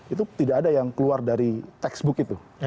itu tidak ada yang keluar dari textbook itu